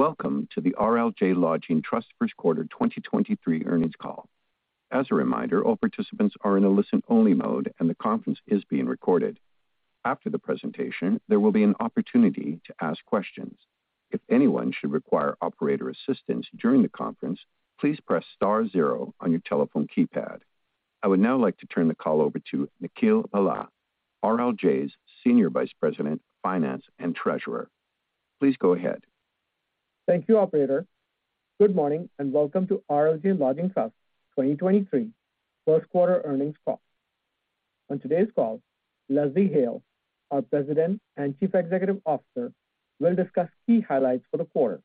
Welcome to the RLJ Lodging Trust First Quarter 2023 Earnings Call. As a reminder, all participants are in a listen-only mode, and the conference is being recorded. After the presentation, there will be an opportunity to ask questions. If anyone should require operator assistance during the conference, please press star zero on your telephone keypad. I would now like to turn the call over to Nikhil Bhalla, RLJ's Senior Vice President, Finance and Treasurer. Please go ahead. Thank you, operator. Good morning, and welcome to RLJ Lodging Trust 2023 First Quarter Earnings Call. On today's call, Leslie Hale, our President and Chief Executive Officer, will discuss key highlights for the quarter.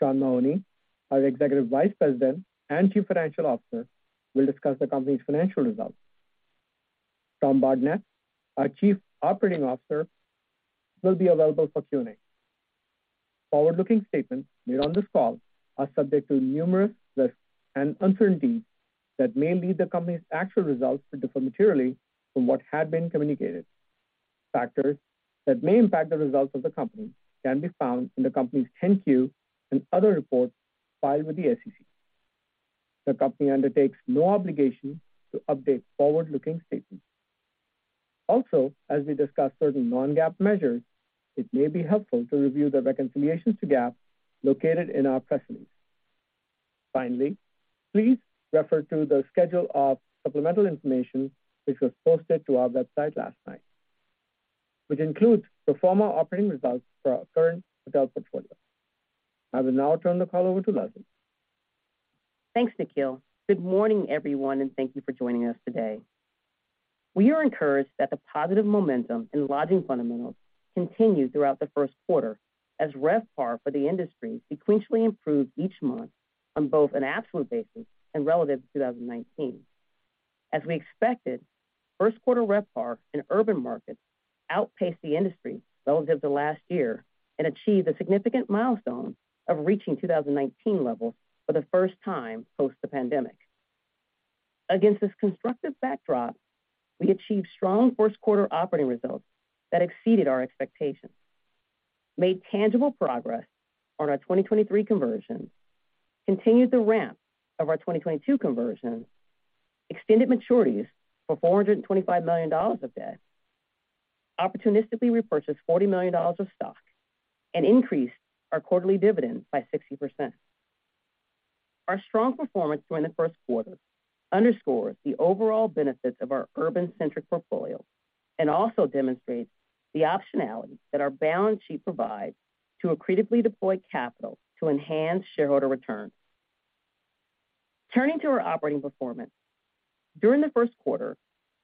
Sean Mahoney, our Executive Vice President and Chief Financial Officer, will discuss the company's financial results. Tom Bardenett, our Chief Operating Officer, will be available for Q&A. Forward-looking statements made on this call are subject to numerous risks and uncertainties that may lead the company's actual results to differ materially from what had been communicated. Factors that may impact the results of the company can be found in the company's 10-Q and other reports filed with the SEC. The company undertakes no obligation to update forward-looking statements. Also, as we discuss certain non-GAAP measures, it may be helpful to review the reconciliations to GAAP located in our press release. Finally, please refer to the schedule of supplemental information which was posted to our website last night, which includes the former operating results for our current hotel portfolio. I will now turn the call over to Leslie. Thanks, Nikhil. Good morning, everyone, thank you for joining us today. We are encouraged that the positive momentum in lodging fundamentals continued throughout the first quarter as RevPAR for the industry sequentially improved each month on both an absolute basis and relative to 2019. As we expected, first quarter RevPAR in urban markets outpaced the industry relative to last year and achieved a significant milestone of reaching 2019 levels for the first time post the pandemic. Against this constructive backdrop, we achieved strong first quarter operating results that exceeded our expectations, made tangible progress on our 2023 conversions, continued the ramp of our 2022 conversions, extended maturities for $425 million of debt, opportunistically repurchased $40 million of stock, and increased our quarterly dividend by 60%. Our strong performance during the first quarter underscores the overall benefits of our urban-centric portfolio and also demonstrates the optionality that our balance sheet provides to accretively deploy capital to enhance shareholder returns. Turning to our operating performance. During the first quarter,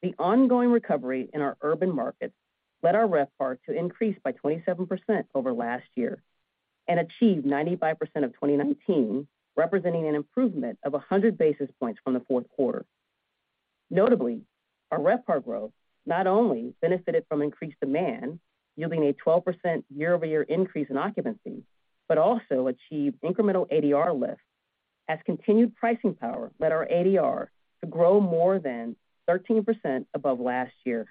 the ongoing recovery in our urban markets led our RevPAR to increase by 27% over last year and achieve 95% of 2019, representing an improvement of 100 basis points from the fourth quarter. Notably, our RevPAR growth not only benefited from increased demand, yielding a 12% year-over-year increase in occupancy, but also achieved incremental ADR lift as continued pricing power led our ADR to grow more than 13% above last year.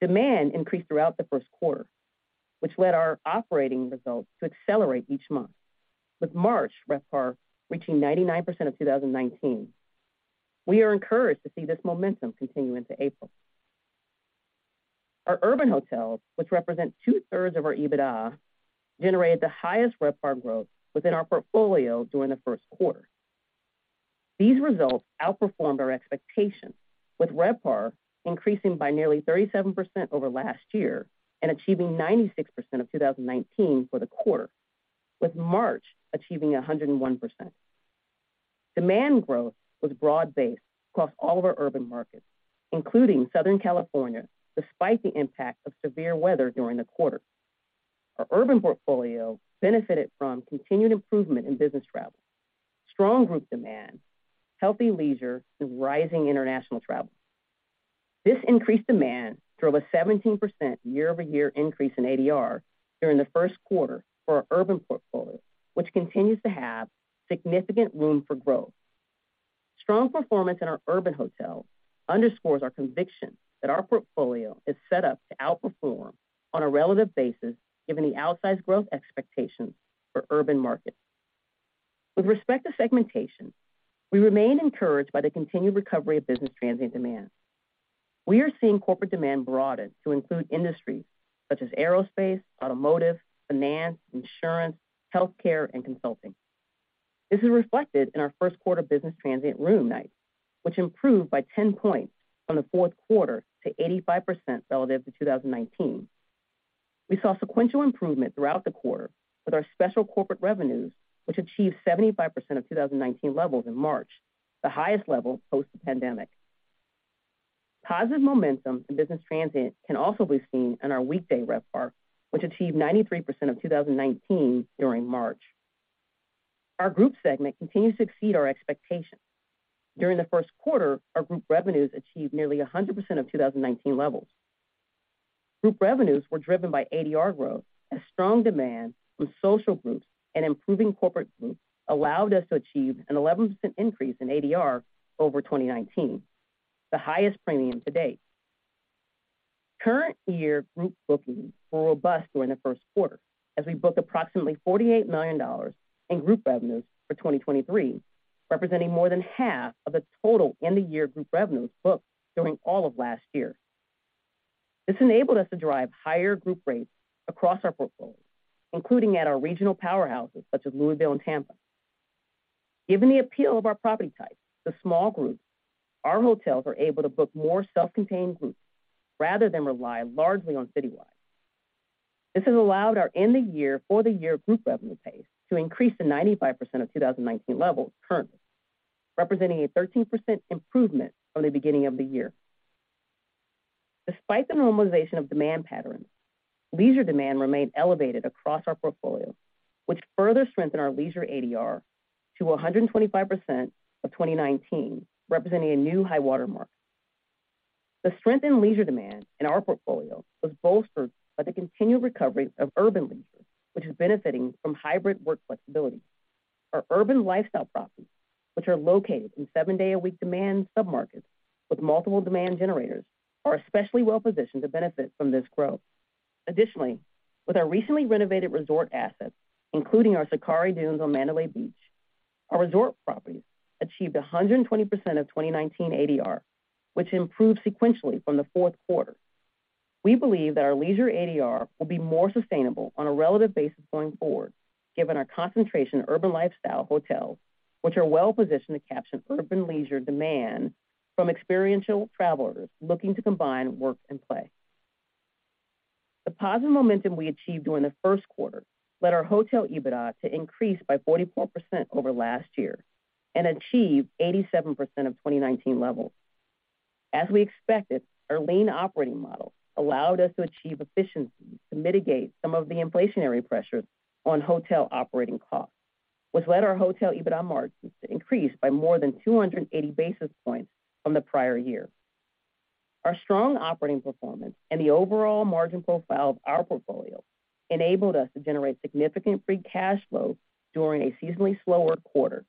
Demand increased throughout the first quarter, which led our operating results to accelerate each month, with March RevPAR reaching 99% of 2019. We are encouraged to see this momentum continue into April. Our urban hotels, which represent two-thirds of our EBITDA, generated the highest RevPAR growth within our portfolio during the first quarter. These results outperformed our expectations, with RevPAR increasing by nearly 37% over last year and achieving 96% of 2019 for the quarter, with March achieving 101%. Demand growth was broad-based across all of our urban markets, including Southern California, despite the impact of severe weather during the quarter. Our urban portfolio benefited from continued improvement in business travel, strong group demand, healthy leisure and rising international travel. This increased demand drove a 17% year-over-year increase in ADR during the first quarter for our urban portfolio, which continues to have significant room for growth. Strong performance in our urban hotels underscores our conviction that our portfolio is set up to outperform on a relative basis given the outsized growth expectations for urban markets. With respect to segmentation, we remain encouraged by the continued recovery of business transient demand. We are seeing corporate demand broaden to include industries such as aerospace, automotive, finance, insurance, healthcare, and consulting. This is reflected in our first quarter business transient room nights, which improved by 10 points from the fourth quarter to 85% relative to 2019. We saw sequential improvement throughout the quarter with our special corporate revenues, which achieved 75% of 2019 levels in March, the highest level post the pandemic. Positive momentum in business transient can also be seen in our weekday RevPAR, which achieved 93% of 2019 during March. Our group segment continues to exceed our expectations. During the first quarter, our group revenues achieved nearly 100% of 2019 levels. Group revenues were driven by ADR growth as strong demand from social groups and improving corporate groups allowed us to achieve an 11% increase in ADR over 2019, the highest premium to date. Current year group bookings were robust during the first quarter as we booked approximately $48 million in group revenues for 2023, representing more than half of the total in the year group revenues booked during all of last year. This enabled us to drive higher group rates across our portfolio, including at our regional powerhouses such as Louisville and Tampa. Given the appeal of our property types to small groups, our hotels are able to book more self-contained groups rather than rely largely on citywide. This has allowed our in the year for the year group revenue pace to increase to 95% of 2019 levels currently, representing a 13% improvement from the beginning of the year. Despite the normalization of demand patterns, leisure demand remained elevated across our portfolio, which further strengthened our leisure ADR to 125% of 2019, representing a new high watermark. The strength in leisure demand in our portfolio was bolstered by the continued recovery of urban leisure, which is benefiting from hybrid work flexibility. Our urban lifestyle properties, which are located in seven-day-a-week demand submarkets with multiple demand generators, are especially well positioned to benefit from this growth. With our recently renovated resort assets, including our Zachari Dunes on Mandalay Beach, our resort properties achieved 120% of 2019 ADR, which improved sequentially from the fourth quarter. We believe that our leisure ADR will be more sustainable on a relative basis going forward, given our concentration in urban lifestyle hotels, which are well positioned to capture urban leisure demand from experiential travelers looking to combine work and play. The positive momentum we achieved during the first quarter led our hotel EBITDA to increase by 44% over last year and achieve 87% of 2019 levels. As we expected, our lean operating model allowed us to achieve efficiencies to mitigate some of the inflationary pressures on hotel operating costs, which led our hotel EBITDA margins to increase by more than 280 basis points from the prior year. Our strong operating performance and the overall margin profile of our portfolio enabled us to generate significant free cash flow during a seasonally slower quarter.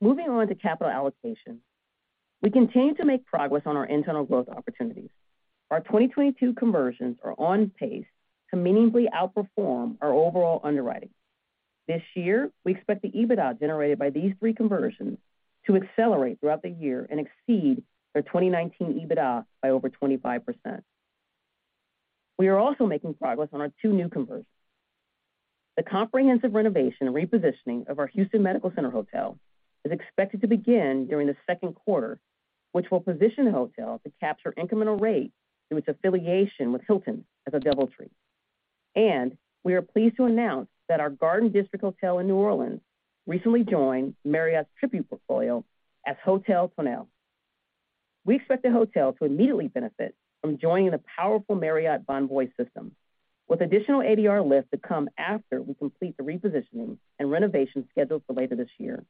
Moving on to capital allocation. We continue to make progress on our internal growth opportunities. Our 2022 conversions are on pace to meaningfully outperform our overall underwriting. This year, we expect the EBITDA generated by these three conversions to accelerate throughout the year and exceed their 2019 EBITDA by over 25%. We are also making progress on our two new conversions. The comprehensive renovation and repositioning of our Houston Medical Center hotel is expected to begin during the second quarter, which will position the hotel to capture incremental rate through its affiliation with Hilton as a DoubleTree. We are pleased to announce that our Garden District hotel in New Orleans recently joined Marriott's Tribute Portfolio as Hotel Tonnelle. We expect the hotel to immediately benefit from joining the powerful Marriott Bonvoy system, with additional ADR lift to come after we complete the repositioning and renovation scheduled for later this year.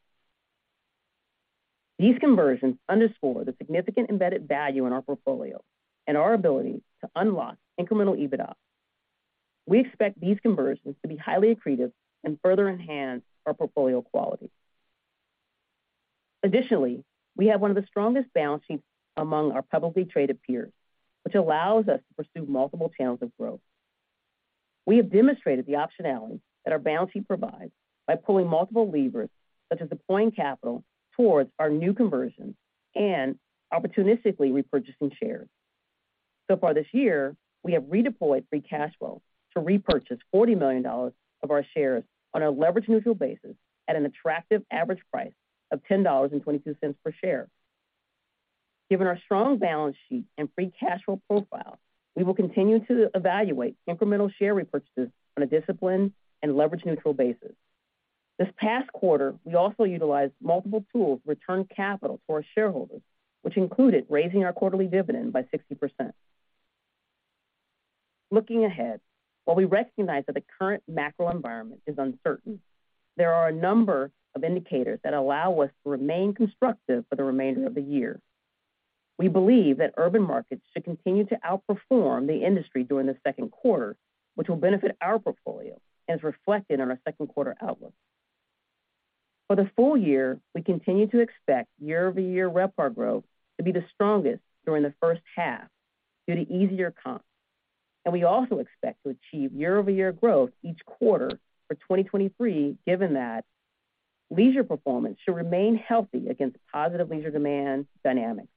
These conversions underscore the significant embedded value in our portfolio and our ability to unlock incremental EBITDA. We expect these conversions to be highly accretive and further enhance our portfolio quality. Additionally, we have one of the strongest balance sheets among our publicly traded peers, which allows us to pursue multiple channels of growth. We have demonstrated the optionality that our balance sheet provides by pulling multiple levers, such as deploying capital towards our new conversions and opportunistically repurchasing shares. Far this year, we have redeployed free cash flow to repurchase $40 million of our shares on a leverage neutral basis at an attractive average price of $10.22 per share. Given our strong balance sheet and free cash flow profile, we will continue to evaluate incremental share repurchases on a disciplined and leverage neutral basis. This past quarter, we also utilized multiple tools to return capital to our shareholders, which included raising our quarterly dividend by 60%. Looking ahead, while we recognize that the current macro environment is uncertain, there are a number of indicators that allow us to remain constructive for the remainder of the year. We believe that urban markets should continue to outperform the industry during the second quarter, which will benefit our portfolio as reflected on our second quarter outlook. For the full year, we continue to expect year-over-year RevPAR growth to be the strongest during the first half due to easier comps. We also expect to achieve year-over-year growth each quarter for 2023, given that leisure performance should remain healthy against positive leisure demand dynamics.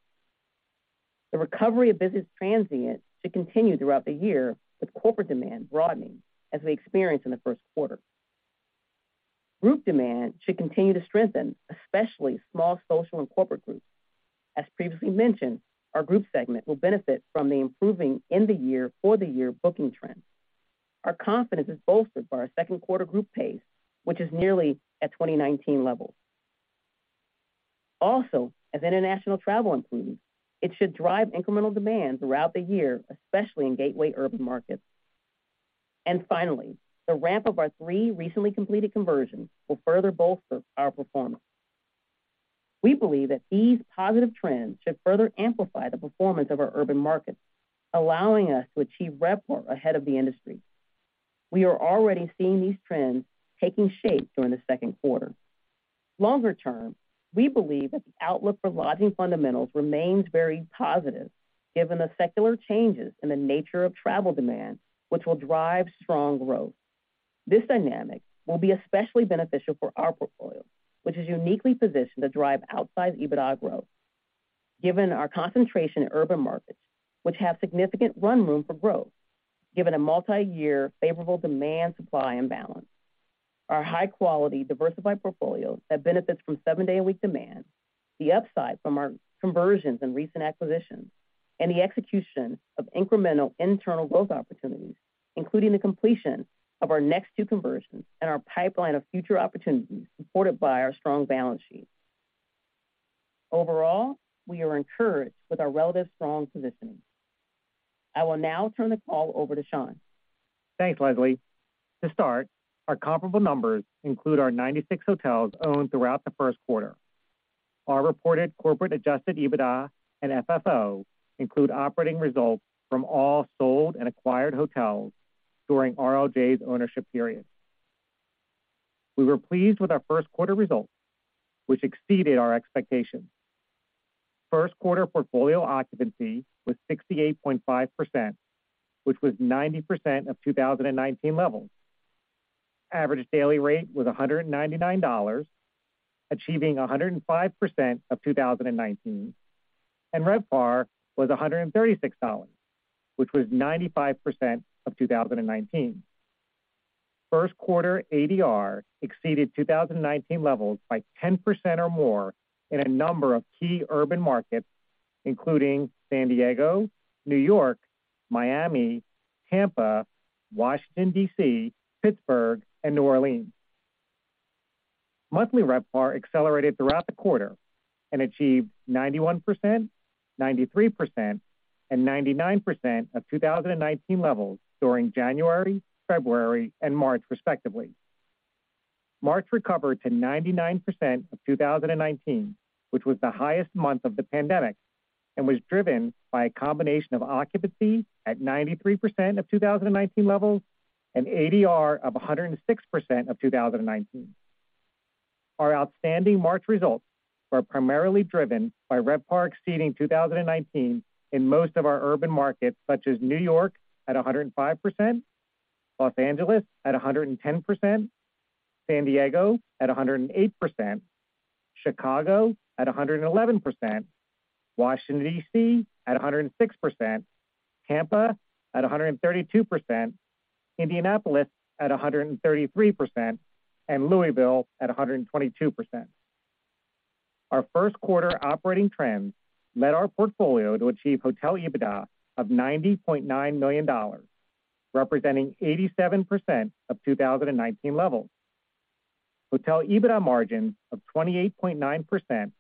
The recovery of business transient should continue throughout the year, with corporate demand broadening as we experienced in the first quarter. Group demand should continue to strengthen, especially small social and corporate groups. As previously mentioned, our group segment will benefit from the improving in the year for the year booking trends. Our confidence is bolstered by our second quarter group pace, which is nearly at 2019 levels. As international travel improves, it should drive incremental demand throughout the year, especially in gateway urban markets. Finally, the ramp of our three recently completed conversions will further bolster our performance. We believe that these positive trends should further amplify the performance of our urban markets, allowing us to achieve RevPAR ahead of the industry. We are already seeing these trends taking shape during the second quarter. Longer term, we believe that the outlook for lodging fundamentals remains very positive given the secular changes in the nature of travel demand, which will drive strong growth. This dynamic will be especially beneficial for our portfolio, which is uniquely positioned to drive outsized EBITDA growth given our concentration in urban markets, which have significant run room for growth, given a multi-year favorable demand supply imbalance. Our high quality diversified portfolio that benefits from seven day a week demand, the upside from our conversions and recent acquisitions, and the execution of incremental internal growth opportunities, including the completion of our next two conversions and our pipeline of future opportunities supported by our strong balance sheet. Overall, we are encouraged with our relative strong positioning. I will now turn the call over to Sean. Thanks, Leslie. To start, our comparable numbers include our 96 hotels owned throughout the first quarter. Our reported corporate adjusted EBITDA and FFO include operating results from all sold and acquired hotels during RLJ's ownership period. We were pleased with our first quarter results, which exceeded our expectations. First quarter portfolio occupancy was 68.5%, which was 90% of 2019 levels. Average daily rate was $199, achieving 105% of 2019, and RevPAR was $136, which was 95% of 2019. First quarter ADR exceeded 2019 levels by 10% or more in a number of key urban markets, including San Diego, New York, Miami, Tampa, Washington D.C., Pittsburgh, and New Orleans. Monthly RevPAR accelerated throughout the quarter and achieved 91%, 93%, and 99% of 2019 levels during January, February, and March, respectively. March recovered to 99% of 2019, which was the highest month of the pandemic, and was driven by a combination of occupancy at 93% of 2019 levels and ADR of 106% of 2019. Our outstanding March results were primarily driven by RevPAR exceeding 2019 in most of our urban markets, such as New York at 105%, Los Angeles at 110%, San Diego at 108%, Chicago at 111%, Washington, D.C. at 106%, Tampa at 132%, Indianapolis at 133%, and Louisville at 122%. Our first quarter operating trends led our portfolio to achieve hotel EBITDA of $90.9 million, representing 87% of 2019 levels. Hotel EBITDA margins of 28.9%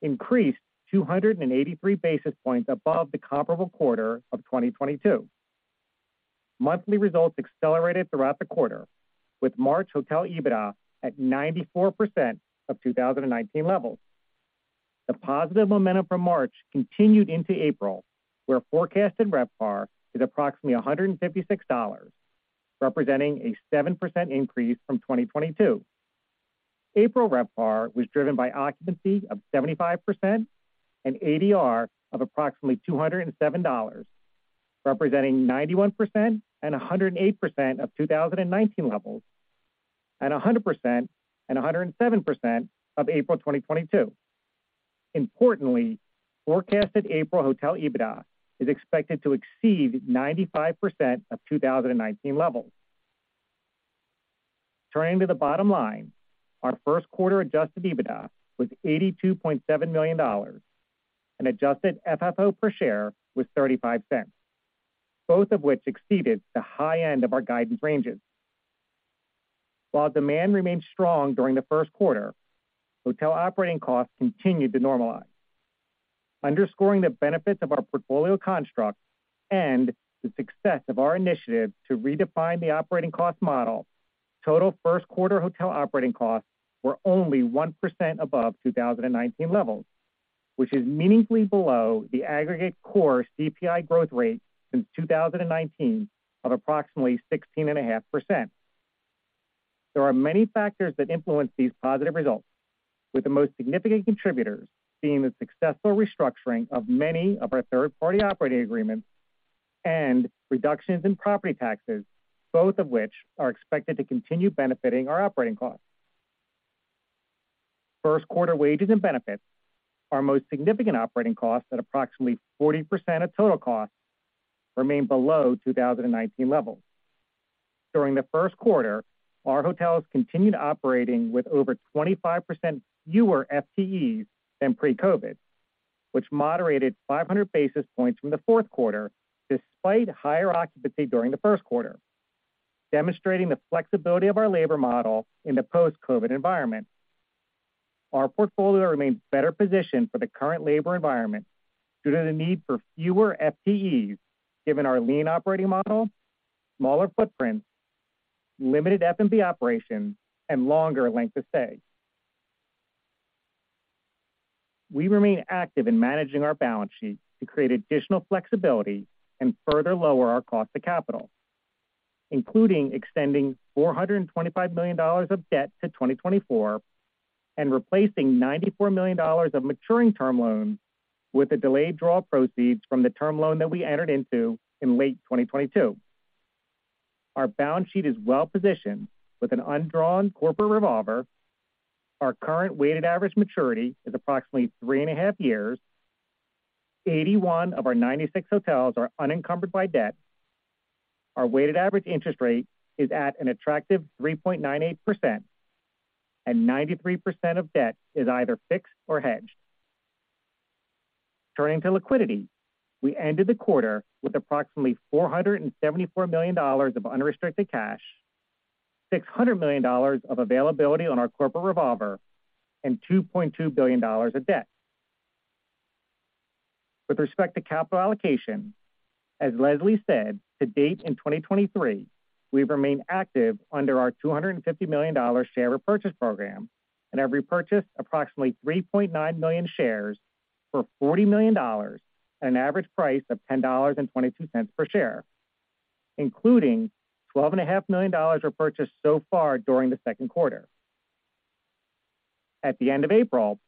increased 283 basis points above the comparable quarter of 2022. Monthly results accelerated throughout the quarter with March hotel EBITDA at 94% of 2019 levels. The positive momentum from March continued into April, where forecasted RevPAR is approximately $156, representing a 7% increase from 2022. April RevPAR was driven by occupancy of 75% and ADR of approximately $207, representing 91% and 108% of 2019 levels, and 100% and 107% of April 2022. Importantly, forecasted April hotel EBITDA is expected to exceed 95% of 2019 levels. Turning to the bottom line, our first quarter Adjusted EBITDA was $82.7 million and adjusted FFO per share was $0.35, both of which exceeded the high end of our guidance ranges. While demand remained strong during the first quarter, hotel operating costs continued to normalize. Underscoring the benefits of our portfolio construct and the success of our initiative to redefine the operating cost model, total first quarter hotel operating costs were only 1% above 2019 levels, which is meaningfully below the aggregate core CPI growth rate since 2019 of approximately 16.5%. There are many factors that influence these positive results, with the most significant contributors being the successful restructuring of many of our third-party operating agreements and reductions in property taxes, both of which are expected to continue benefiting our operating costs. First quarter wages and benefits, our most significant operating costs at approximately 40% of total costs, remain below 2019 levels. During the first quarter, our hotels continued operating with over 25% fewer FTEs than pre-COVID, which moderated 500 basis points from the fourth quarter, despite higher occupancy during the first quarter, demonstrating the flexibility of our labor model in the post-COVID environment. Our portfolio remains better positioned for the current labor environment due to the need for fewer FTEs given our lean operating model, smaller footprints, limited F&B operations, and longer length of stay. We remain active in managing our balance sheet to create additional flexibility and further lower our cost to capital, including extending $425 million of debt to 2024 and replacing $94 million of maturing term loans with the delayed draw proceeds from the term loan that we entered into in late 2022. Our balance sheet is well positioned with an undrawn corporate revolver. Our current weighted average maturity is approximately three and a half years. 81 of our 96 hotels are unencumbered by debt. Our weighted average interest rate is at an attractive 3.98%, and 93% of debt is either fixed or hedged. Turning to liquidity. We ended the quarter with approximately $474 million of unrestricted cash, $600 million of availability on our corporate revolver, and $2.2 billion of debt. With respect to capital allocation, as Leslie said, to date in 2023, we've remained active under our $250 million share repurchase program and have repurchased approximately 3.9 million shares for $40 million at an average price of $10.22 per share, including twelve and a half million dollars repurchased so far during the second quarter. At the end of April,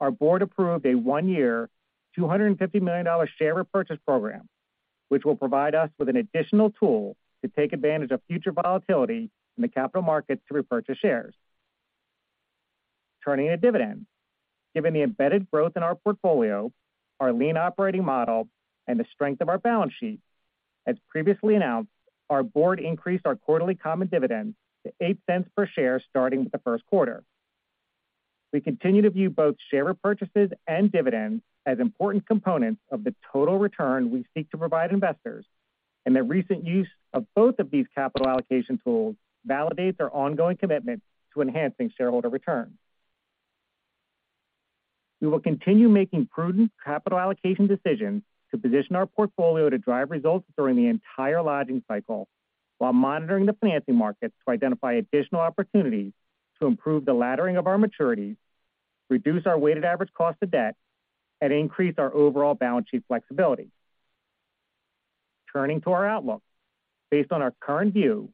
our board approved a one-year, $250 million share repurchase program, which will provide us with an additional tool to take advantage of future volatility in the capital markets to repurchase shares. Turning to dividends. Given the embedded growth in our portfolio, our lean operating model, and the strength of our balance sheet, as previously announced, our board increased our quarterly common dividend to $0.08 per share starting with the first quarter. We continue to view both share repurchases and dividends as important components of the total return we seek to provide investors. The recent use of both of these capital allocation tools validates our ongoing commitment to enhancing shareholder returns. We will continue making prudent capital allocation decisions to position our portfolio to drive results during the entire lodging cycle while monitoring the financing markets to identify additional opportunities to improve the laddering of our maturities, reduce our weighted average cost of debt, and increase our overall balance sheet flexibility. Turning to our outlook. Based on our current view,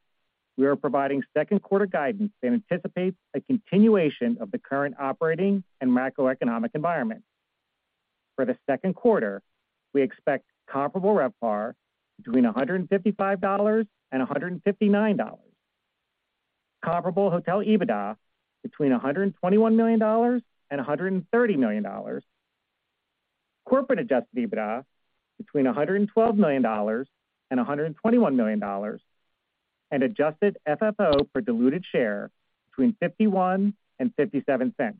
we are providing second quarter guidance that anticipates a continuation of the current operating and macroeconomic environment. For the second quarter, we expect comparable RevPAR between $155 and $159, comparable hotel EBITDA between $121 million and $130 million, corporate adjusted EBITDA between $112 million and $121 million, and adjusted FFO for diluted share between $0.51 and $0.57.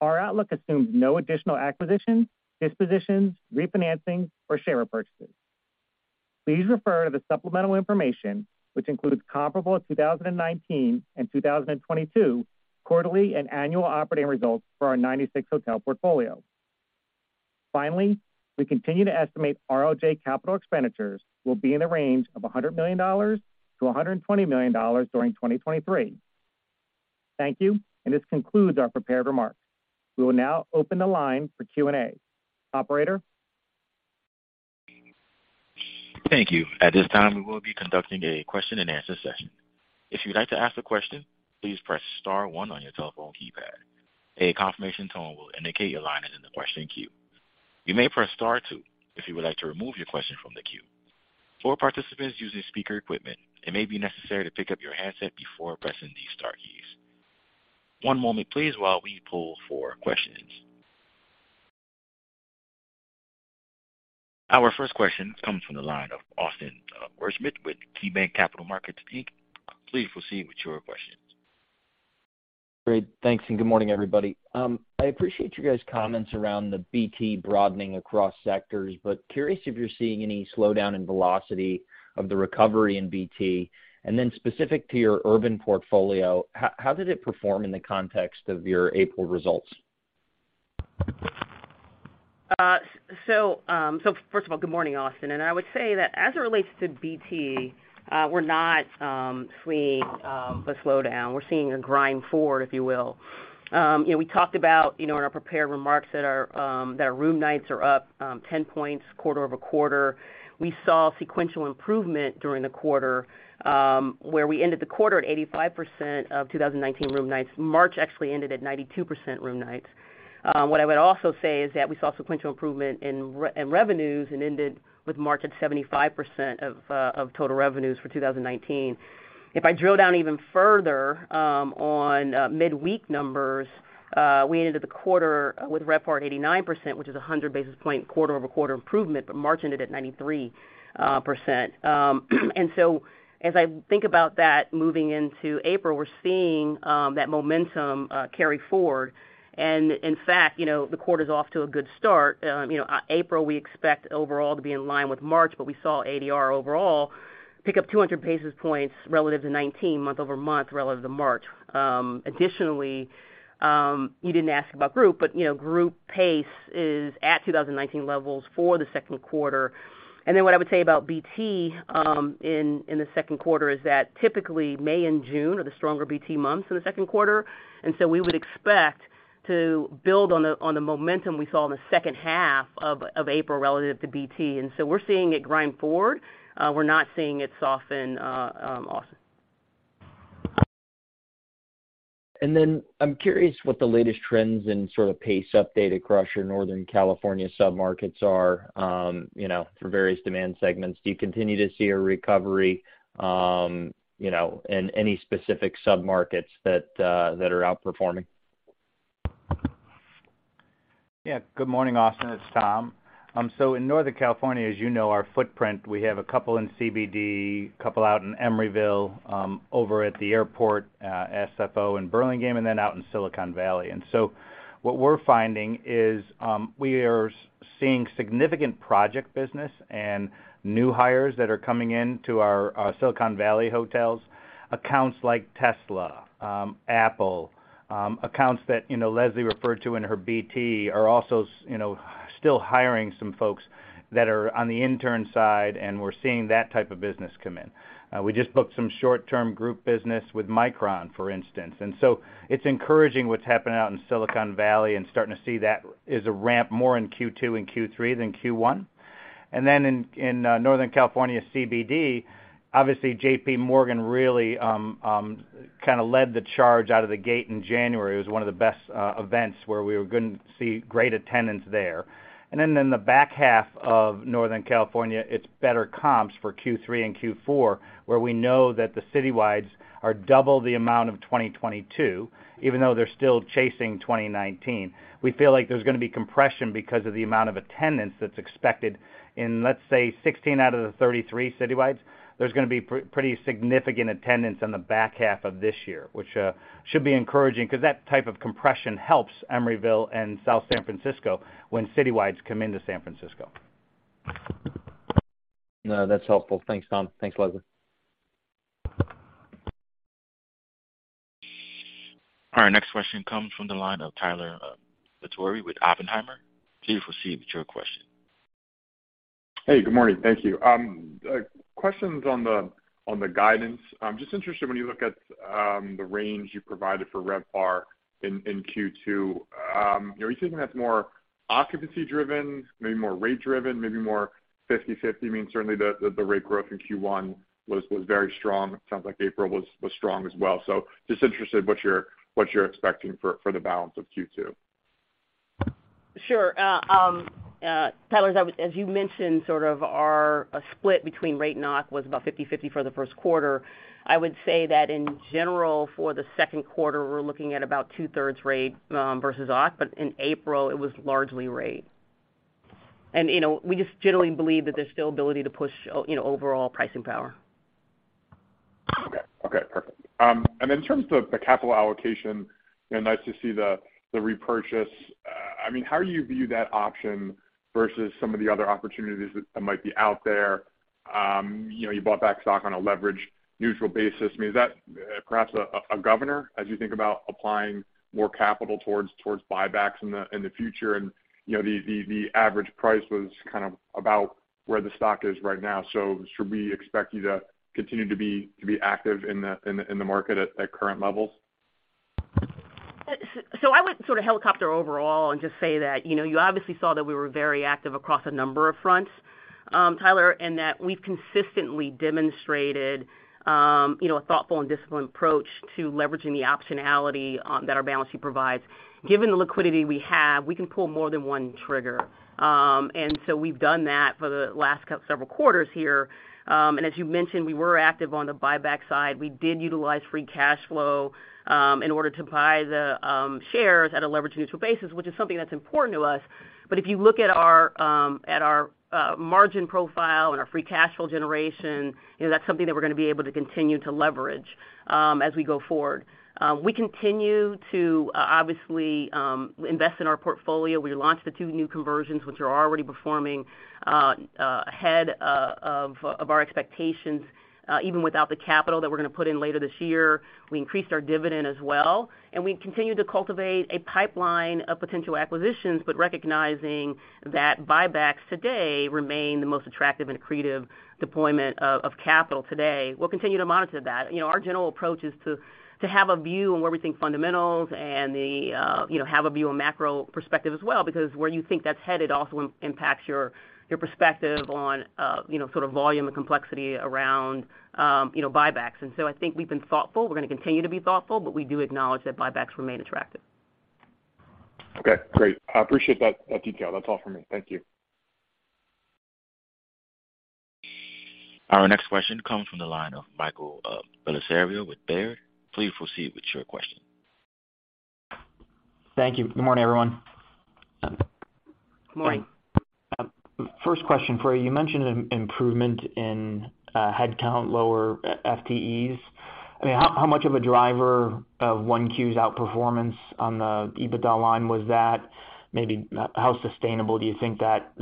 Our outlook assumes no additional acquisitions, dispositions, refinancing, or share repurchases. Please refer to the supplemental information, which includes comparable 2019 and 2022 quarterly and annual operating results for our 96 hotel portfolio. We continue to estimate RLJ capital expenditures will be in the range of $100 million-$120 million during 2023. Thank you. This concludes our prepared remarks. We will now open the line for Q&A. Operator? Thank you. At this time, we will be conducting a question and answer session. If you'd like to ask a question, please press star one on your telephone keypad. A confirmation tone will indicate your line is in the question queue. You may press star two if you would like to remove your question from the queue. For participants using speaker equipment, it may be necessary to pick up your handset before pressing these star keys. One moment please while we pull for questions. Our first question comes from the line of Austin Wurschmidt with KeyBanc Capital Markets Inc. Please proceed with your question. Great. Thanks, and good morning, everybody. I appreciate you guys' comments around the BT broadening across sectors, but curious if you're seeing any slowdown in velocity of the recovery in BT. Specific to your urban portfolio, how did it perform in the context of your April results? First of all, good morning, Austin. I would say that as it relates to BT, we're not seeing a slowdown. We're seeing a grind forward, if you will. You know, we talked about, you know, in our prepared remarks that our room nights are up 10 points quarter-over-quarter. We saw sequential improvement during the quarter, where we ended the quarter at 85% of 2019 room nights. March actually ended at 92% room nights. What I would also say is that we saw sequential improvement in revenues and ended with March at 75% of total revenues for 2019. If I drill down even further, on midweek numbers, we ended the quarter with RevPAR at 89%, which is a 100 basis point quarter-over-quarter improvement, but March ended at 93%. As I think about that moving into April, we're seeing that momentum carry forward. In fact, you know, the quarter's off to a good start. You know, April, we expect overall to be in line with March, but we saw ADR overall pick up 200 basis points relative to 19 month-over-month relative to March. Additionally, you didn't ask about group, you know, group pace is at 2019 levels for the second quarter. What I would say about BT in the second quarter is that typically May and June are the stronger BT months in the second quarter. We would expect to build on the momentum we saw in the second half of April relative to BT. We're seeing it grind forward. We're not seeing it soften, Austin. I'm curious what the latest trends and sort of pace update across your Northern California submarkets are, you know, for various demand segments. Do you continue to see a recovery, you know, in any specific submarkets that are outperforming? Good morning, Austin, it's Tom. In Northern California, as you know, our footprint, we have a couple in CBD, couple out in Emeryville, over at the airport, SFO in Burlingame, and then out in Silicon Valley. What we're finding is, we are seeing significant project business and new hires that are coming in to our Silicon Valley hotels. Accounts like Tesla, Apple, accounts that, you know, Leslie referred to in her BT are also, you know, still hiring some folks that are on the intern side, and we're seeing that type of business come in. We just booked some short-term group business with Micron, for instance. It's encouraging what's happening out in Silicon Valley and starting to see that is a ramp more in Q2 and Q3 than Q1. In Northern California CBD, obviously JPMorgan really kind of led the charge out of the gate in January. It was one of the best events where we were going to see great attendance there. In the back half of Northern California, it's better comps for Q3 and Q4, where we know that the citywides are double the amount of 2022, even though they're still chasing 2019. We feel like there's gonna be compression because of the amount of attendance that's expected in, let's say, 16 out of the 33 citywides, there's gonna be pretty significant attendance on the back half of this year, which should be encouraging because that type of compression helps Emeryville and South San Francisco when citywides come into San Francisco. No, that's helpful. Thanks, Tom. Thanks, Leslie. Our next question comes from the line of Tyler Batory with Oppenheimer. Please proceed with your question. Hey, good morning. Thank you. questions on the guidance. I'm just interested when you look at the range you provided for RevPAR in Q2, you know, are you thinking that's more occupancy driven, maybe more rate driven, maybe more 50/50? I mean, certainly the rate growth in Q1 was very strong. Sounds like April was strong as well. Just interested what you're expecting for the balance of Q2. Sure. Tyler, as you mentioned, sort of our split between rate and occ was about 50/50 for the first quarter. I would say that in general, for the second quarter, we're looking at about two-thirds rate versus occ, but in April, it was largely rate. You know, we just generally believe that there's still ability to push you know, overall pricing power. Okay. Okay, perfect. In terms of the capital allocation, you know, nice to see the repurchase. I mean, how do you view that option versus some of the other opportunities that might be out there? You know, you bought back stock on a leverage neutral basis. I mean, is that perhaps a governor as you think about applying more capital towards buybacks in the future? You know, the average price was kind of about where the stock is right now. Should we expect you to continue to be active in the market at current levels? I would sort of helicopter overall and just say that, you know, you obviously saw that we were very active across a number of fronts, Tyler, and that we've consistently demonstrated, you know, a thoughtful and disciplined approach to leveraging the optionality that our balance sheet provides. Given the liquidity we have, we can pull more than one trigger. We've done that for the last several quarters here. As you mentioned, we were active on the buyback side. We did utilize free cash flow in order to buy the shares at a leverage neutral basis, which is something that's important to us. If you look at our margin profile and our free cash flow generation, you know, that's something that we're gonna be able to continue to leverage as we go forward. We continue to obviously invest in our portfolio. We launched the two new conversions, which are already performing ahead of our expectations even without the capital that we're gonna put in later this year. We increased our dividend as well, and we continue to cultivate a pipeline of potential acquisitions, but recognizing that buybacks today remain the most attractive and accretive deployment of capital today. We'll continue to monitor that. You know, our general approach is to have a view on where we think fundamentals and, you know, have a view on macro perspective as well, because where you think that's headed also impacts your perspective on, you know, sort of volume and complexity around, you know, buybacks. I think we've been thoughtful. We're gonna continue to be thoughtful, but we do acknowledge that buybacks remain attractive. Okay, great. I appreciate that detail. That's all for me. Thank you. Our next question comes from the line of Michael Bellisario with Baird. Please proceed with your question. Thank you. Good morning, everyone. Morning. First question for you. You mentioned improvement in headcount, lower FTEs. I mean, how much of a driver of 1Q's outperformance on the EBITDA line was that? Maybe, how sustainable do you think that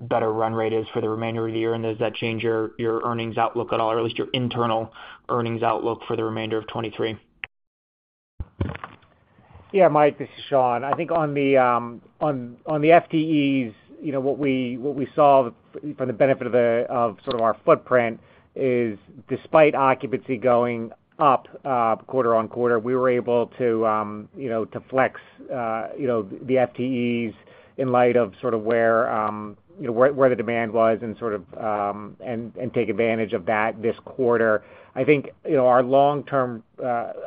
better run rate is for the remainder of the year? Does that change your earnings outlook at all, or at least your internal earnings outlook for the remainder of 2023? Yeah, Mike, this is Sean. I think on the FTEs, you know, what we saw for the benefit of sort of our footprint is despite occupancy going up quarter-over-quarter, we were able to, you know, to flex, you know, the FTEs in light of sort of where, you know, the demand was and sort of take advantage of that this quarter. I think, you know, our long-term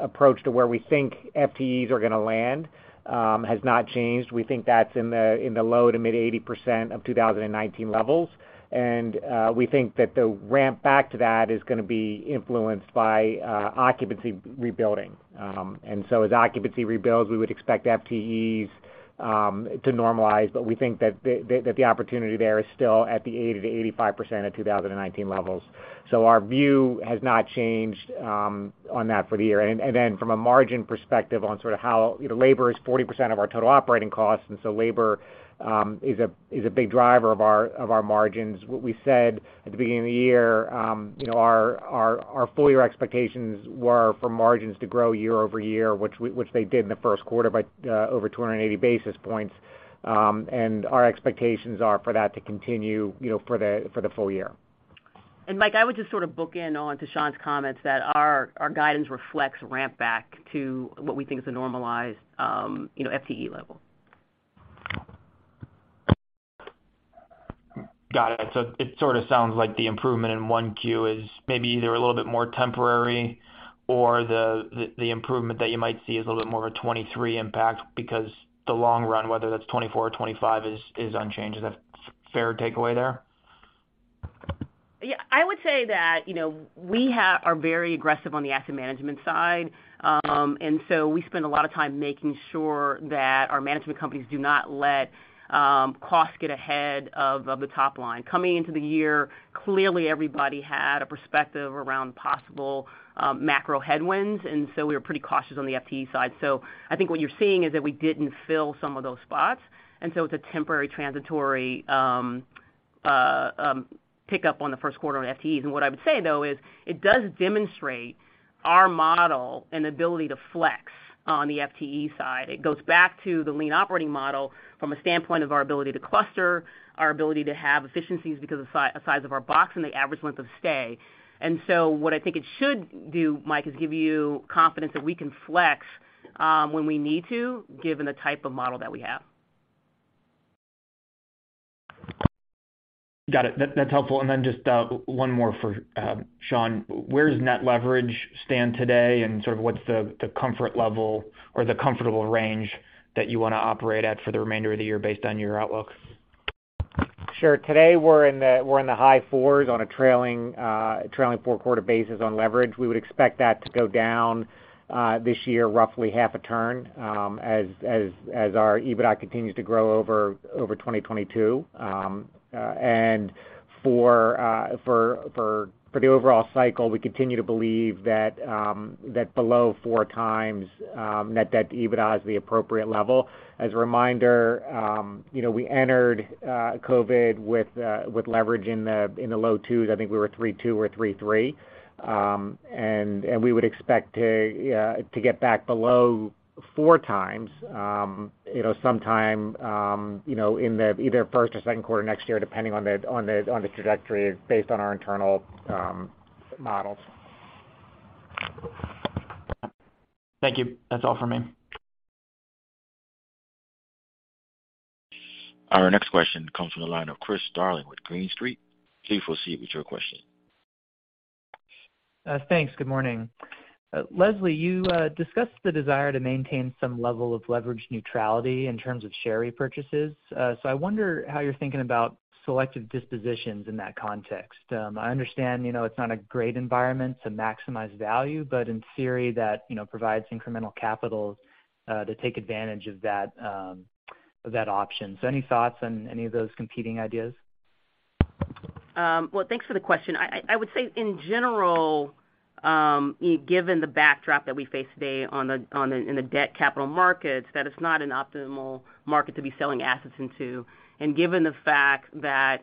approach to where we think FTEs are gonna land has not changed. We think that's in the low to mid 80% of 2019 levels. We think that the ramp back to that is gonna be influenced by occupancy rebuilding. As occupancy rebuilds, we would expect FTEs to normalize, but we think that the opportunity there is still at the 80%-85% of 2019 levels. Our view has not changed on that for the year. From a margin perspective on sort of how, you know, labor is 40% of our total operating costs, labor is a big driver of our margins. What we said at the beginning of the year, you know, our full year expectations were for margins to grow year-over-year, which they did in the first quarter by over 280 basis points. Our expectations are for that to continue, you know, for the full year. Mike, I would just sort of book in on to Sean's comments that our guidance reflects ramp back to what we think is a normalized, you know, FTE level. Got it. It sort of sounds like the improvement in 1Q is maybe either a little bit more temporary or the improvement that you might see is a little bit more of a 2023 impact because the long run, whether that's 2024 or 2025 is unchanged. Is that fair takeaway there? Yeah, I would say that, you know, we are very aggressive on the asset management side. We spend a lot of time making sure that our management companies do not let costs get ahead of the top line. Coming into the year, clearly everybody had a perspective around possible macro headwinds, and so we were pretty cautious on the FTE side. I think what you're seeing is that we didn't fill some of those spots, and so it's a temporary transitory pick up on the first quarter on FTEs. What I would say, though, is it does demonstrate our model and ability to flex on the FTE side. It goes back to the lean operating model from a standpoint of our ability to cluster, our ability to have efficiencies because of the size of our box and the average length of stay. What I think it should do, Mike, is give you confidence that we can flex when we need to, given the type of model that we have. Got it. That's helpful. Then just one more for Sean. Where does net leverage stand today and sort of what's the comfort level or the comfortable range that you wanna operate at for the remainder of the year based on your outlook? Sure. Today, we're in the high fours on a trailing four-quarter basis on leverage. We would expect that to go down this year, roughly half a turn as our EBITDA continues to grow over 2022. For the overall cycle, we continue to believe that below 4x net debt EBITDA is the appropriate level. As a reminder, you know, we entered COVID with leverage in the low twos. I think we were 3.2 or 3.3. We would expect to get back below 4x, you know, sometime, you know, in the either first or second quarter next year, depending on the trajectory based on our internal models. Thank you. That's all for me. Our next question comes from the line of Chris Darling with Green Street. Please proceed with your question. Thanks. Good morning. Leslie, you discussed the desire to maintain some level of leverage neutrality in terms of share repurchases. I wonder how you're thinking about selective dispositions in that context. I understand, you know, it's not a great environment to maximize value, but in theory, that, you know, provides incremental capital to take advantage of that of that option. Any thoughts on any of those competing ideas? Well, thanks for the question. I would say in general, given the backdrop that we face today in the debt capital markets, that it's not an optimal market to be selling assets into. Given the fact that,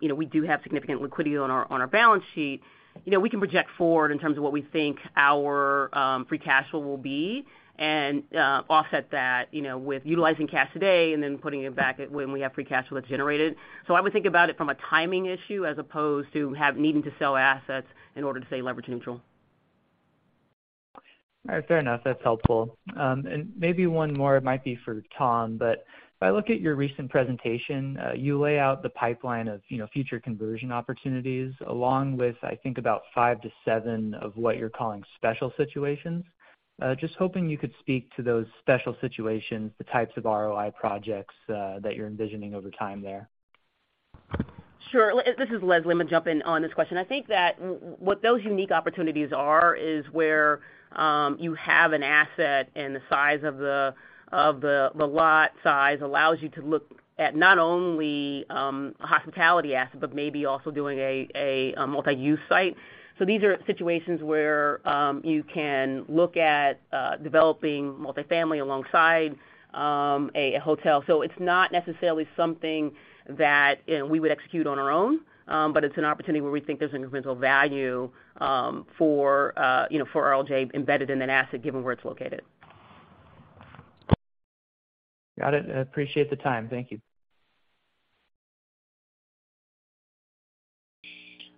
you know, we do have significant liquidity on our balance sheet, you know, we can project forward in terms of what we think our free cash flow will be and offset that, you know, with utilizing cash today and then putting it back when we have free cash flow that's generated. I would think about it from a timing issue as opposed to have needing to sell assets in order to stay leverage neutral. All right. Fair enough. That's helpful. Maybe one more. It might be for Tom, but if I look at your recent presentation, you lay out the pipeline of, you know, future conversion opportunities, along with, I think about five to seven of what you're calling special situations. Just hoping you could speak to those special situations, the types of ROI projects, that you're envisioning over time there. Sure. This is Leslie. I'm gonna jump in on this question. I think that what those unique opportunities are is where you have an asset and the size of the lot size allows you to look at not only a hospitality asset, but maybe also doing a multi-use site. These are situations where you can look at developing multifamily alongside a hotel. It's not necessarily something that, you know, we would execute on our own, but it's an opportunity where we think there's incremental value for, you know, for RLJ embedded in that asset, given where it's located. Got it. I appreciate the time. Thank you.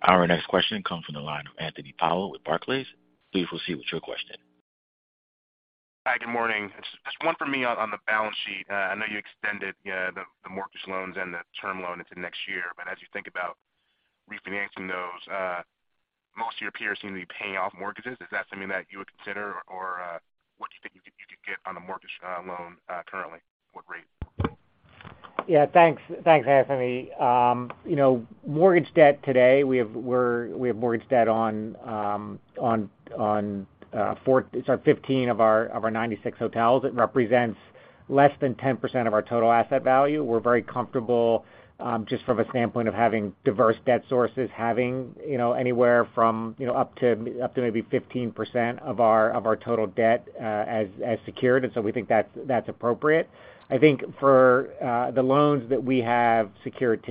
Our next question comes from the line of Anthony Powell with Barclays. Please proceed with your question. Hi, good morning. Just one for me on the balance sheet. I know you extended the mortgage loans and the term loan into next year, but as you think about refinancing those, most of your peers seem to be paying off mortgages. Is that something that you would consider or, what do you think you could get on a mortgage loan currently? What rate? Yeah, thanks, Anthony. You know, mortgage debt today, we have mortgage debt on, sorry, 15 of our 96 hotels. It represents less than 10% of our total asset value. We're very comfortable, just from a standpoint of having diverse debt sources, having, you know, anywhere from, you know, up to maybe 15% of our total debt as secured. We think that's appropriate. I think for the loans that we have secured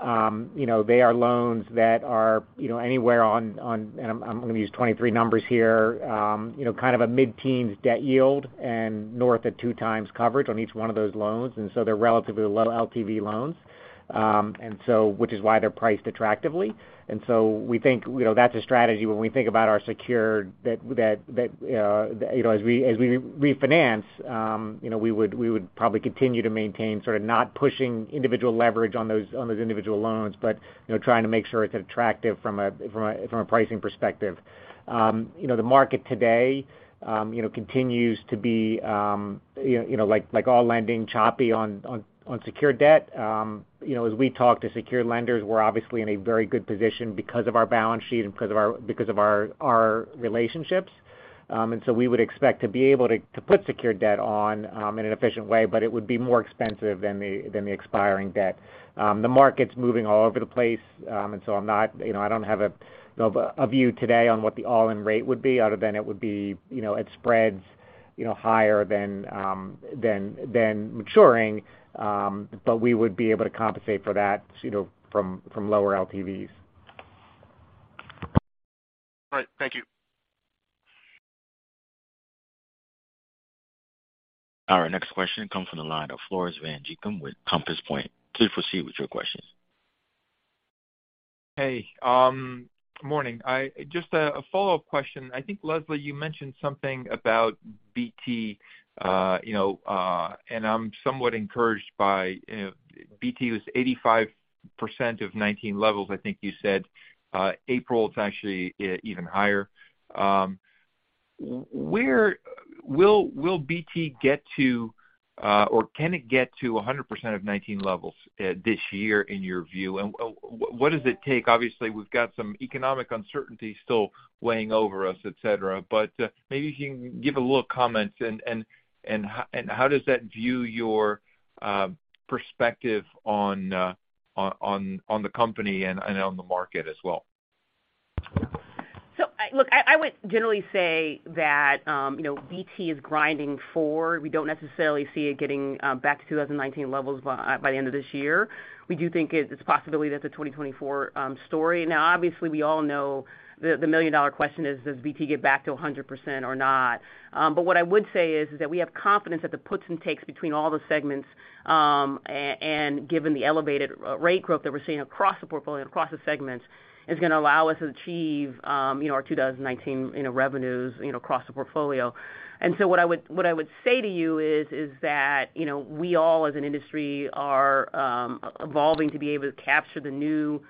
today, you know, they are loans that are, you know, anywhere on. And I'm gonna use 2023 numbers here, you know, kind of a mid-teens debt yield and north of 2x coverage on each one of those loans. They're relatively low LTV loans. Which is why they're priced attractively. We think, you know, that's a strategy when we think about our secured that, you know, as we refinance, you know, we would probably continue to maintain sort of not pushing individual leverage on those individual loans, but you know, trying to make sure it's attractive from a pricing perspective. You know, the market today, you know, continues to be, you know, like all lending choppy on secured debt. You know, as we talk to secured lenders, we're obviously in a very good position because of our balance sheet and because of our relationships. We would expect to be able to put secured debt on in an efficient way, but it would be more expensive than the expiring debt. The market's moving all over the place. I'm not, you know, I don't have a, you know, a view today on what the all-in rate would be other than it would be, you know, it spreads, you know, higher than maturing. We would be able to compensate for that, you know, from lower LTVs. All right. Thank you. Our next question comes from the line of Floris van Dijkum with Compass Point. Please proceed with your questions. Hey, good morning. Just a follow-up question. I think, Leslie, you mentioned something about BT, I'm somewhat encouraged by BT was 85% of 19 levels. I think you said, April, it's actually even higher. Will BT get to or can it get to 100% of 19 levels this year in your view? What does it take? Obviously, we've got some economic uncertainty still weighing over us, et cetera. Maybe you can give a little comment, and how does that view your perspective on the company and on the market as well? Look, I would generally say that, you know, BT is grinding forward. We don't necessarily see it getting back to 2019 levels by the end of this year. We do think it's a possibility that's a 2024 story. Obviously we all know the million-dollar question is, does BT get back to 100% or not? What I would say is that we have confidence that the puts and takes between all the segments, and given the elevated rate growth that we're seeing across the portfolio, across the segments, is gonna allow us to achieve, you know, our 2019, you know, revenues, you know, across the portfolio. What I would say to you is that, you know, we all as an industry are evolving to be able to capture the new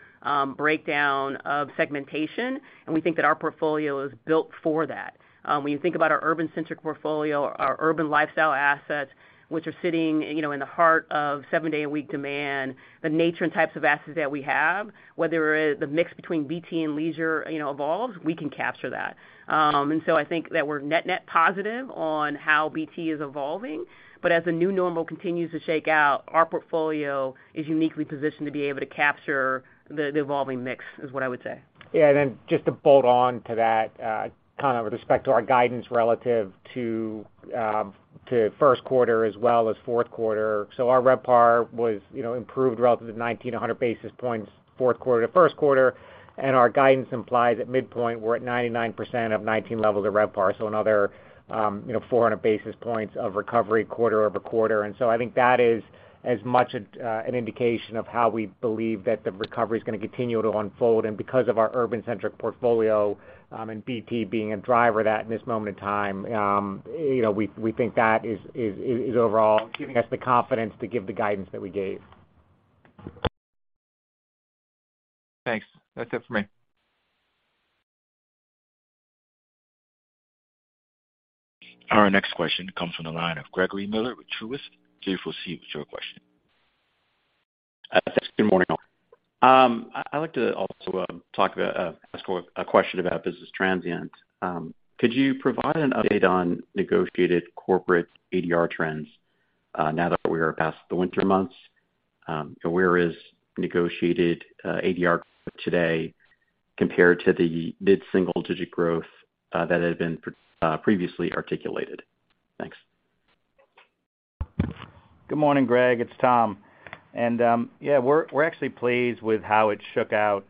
breakdown of segmentation, and we think that our portfolio is built for that. When you think about our urban-centric portfolio, our urban lifestyle assets, which are sitting, you know, in the heart of seven day a week demand, the nature and types of assets that we have, whether the mix between BT and leisure, you know, evolves, we can capture that. I think that we're net-net positive on how BT is evolving, but as the new normal continues to shake out, our portfolio is uniquely positioned to be able to capture the evolving mix, is what I would say. Yeah. Just to bolt on to that, kind of with respect to our guidance relative to first quarter as well as fourth quarter. Our RevPAR was, you know, improved relative to 1,900 basis points, fourth quarter to first quarter. Our guidance implies at midpoint, we're at 99% of 2019 levels of RevPAR. Another, you know, 400 basis points of recovery quarter-over-quarter. I think that is as much a, an indication of how we believe that the recovery is gonna continue to unfold. Because of our urban-centric portfolio, and BT being a driver of that in this moment in time, you know, we think that is overall giving us the confidence to give the guidance that we gave. Thanks. That's it for me. Our next question comes from the line of Gregory Miller with Truist. Please proceed with your question. Thanks. Good morning, all. I'd like to also, talk about, ask for a question about business transient. Could you provide an update on negotiated corporate ADR trends, now that we are past the winter months? Where is negotiated, ADR today compared to the mid-single-digit growth, that had been previously articulated? Thanks. Good morning, Greg. It's Tom. Yeah, we're actually pleased with how it shook out.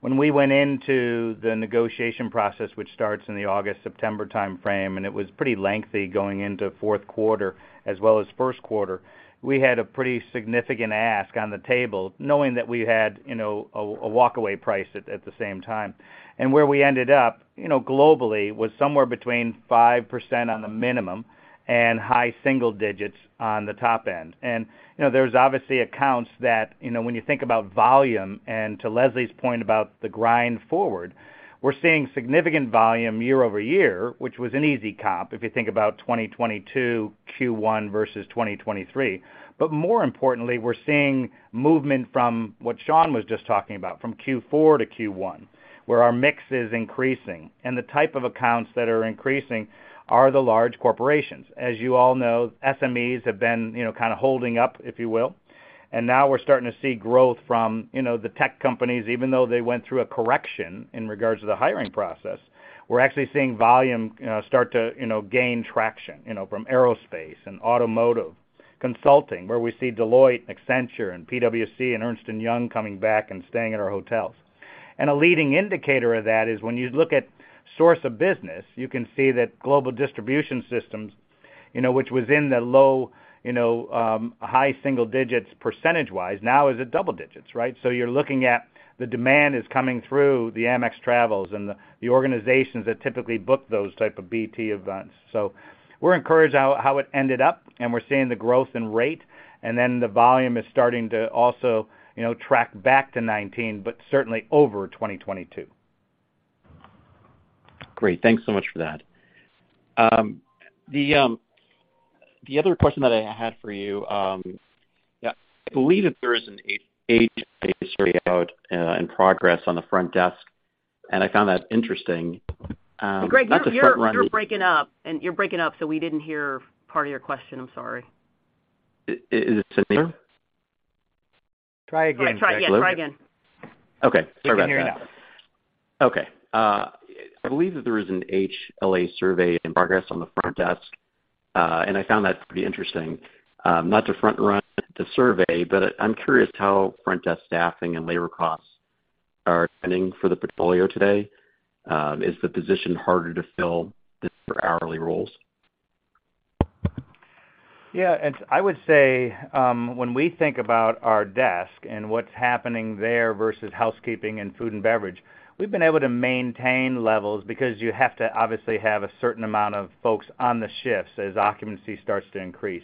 When we went into the negotiation process, which starts in the August-September timeframe, it was pretty lengthy going into fourth quarter as well as first quarter, we had a pretty significant ask on the table, knowing that we had, you know, a walkaway price at the same time. Where we ended up, you know, globally, was somewhere between 5% on the minimum and high single digits on the top end. You know, there's obviously accounts that, you know, when you think about volume, to Leslie's point about the grind forward, we're seeing significant volume year-over-year, which was an easy comp if you think about 2022 Q1 versus 2023. More importantly, we're seeing movement from what Sean was just talking about, from Q4 to Q1, where our mix is increasing. The type of accounts that are increasing are the large corporations. As you all know, SMBs have been, you know, kind of holding up, if you will. Now we're starting to see growth from, you know, the tech companies, even though they went through a correction in regards to the hiring process. We're actually seeing volume start to, you know, gain traction, you know, from aerospace and automotive, consulting, where we see Deloitte, Accenture, and PwC and Ernst & Young coming back and staying at our hotels. A leading indicator of that is when you look at source of business, you know, which was in the low, you know, high single digits percentage-wise, now is at double digits, right? You're looking at the demand is coming through the Amex travels and the organizations that typically book those type of BT events. We're encouraged how it ended up, and we're seeing the growth in rate, and then the volume is starting to also, you know, track back to 19, but certainly over 2022. Great. Thanks so much for that. The other question that I had for you, I believe that there is an AHLA out in progress on the front desk, and I found that interesting. Not to front run- Greg, you're breaking up. You're breaking up, so we didn't hear part of your question. I'm sorry. Is it better? Try again, Greg. Try again. Try again. Okay. Sorry about that. We can hear you now. I believe that there is an AHLA survey in progress on the front desk, and I found that pretty interesting. Not to front run the survey, but I'm curious how front desk staffing and labor costs are trending for the portfolio today. Is the position harder to fill for hourly roles? Yeah. I would say, when we think about our desk and what's happening there versus housekeeping and food and beverage, we've been able to maintain levels because you have to obviously have a certain amount of folks on the shifts as occupancy starts to increase.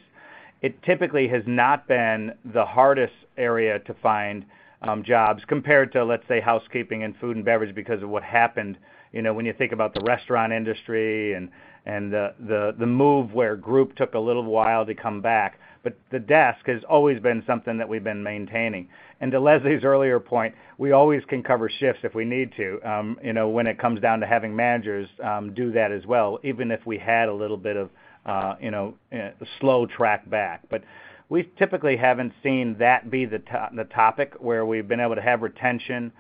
It typically has not been the hardest area to find, jobs compared to, let's say, housekeeping and food and beverage because of what happened, you know, when you think about the restaurant industry and the move where group took a little while to come back. The desk has always been something that we've been maintaining. To Leslie's earlier point, we always can cover shifts if we need to, you know, when it comes down to having managers do that as well, even if we had a little bit of, you know, slow track back. We typically haven't seen that be the topic where we've been able to have retention.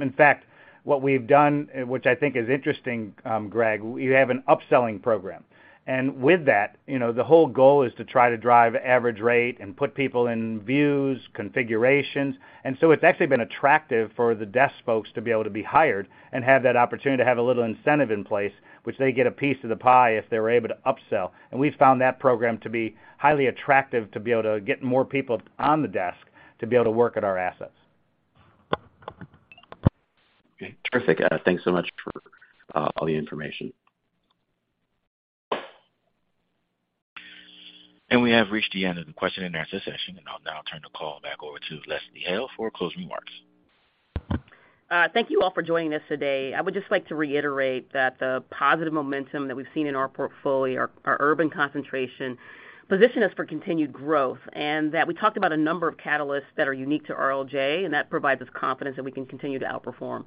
In fact, what we've done, which I think is interesting, Greg, we have an upselling program. With that, you know, the whole goal is to try to drive average rate and put people in views, configurations. It's actually been attractive for the desk folks to be able to be hired and have that opportunity to have a little incentive in place, which they get a piece of the pie if they were able to upsell. We found that program to be highly attractive to be able to get more people on the desk to be able to work at our assets. Okay. Terrific. Thanks so much for all the information. We have reached the end of the question and answer session, I'll now turn the call back over to Leslie Hale for closing remarks. Thank you all for joining us today. I would just like to reiterate that the positive momentum that we've seen in our portfolio, our urban concentration position us for continued growth, and that we talked about a number of catalysts that are unique to RLJ, and that provides us confidence that we can continue to outperform.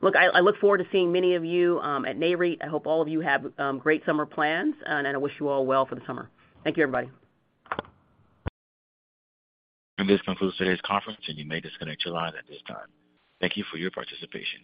Look, I look forward to seeing many of you at NAREIT. I hope all of you have great summer plans, and I wish you all well for the summer. Thank you, everybody. This concludes today's conference, and you may disconnect your line at this time. Thank you for your participation.